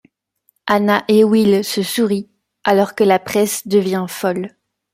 Anna et Will se sourient alors que la presse devient folle.